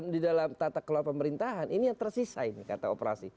di dalam tata kelola pemerintahan ini yang tersisa ini kata operasi